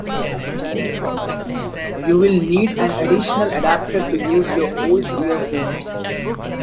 You will need an additional adapter to use your old earphones.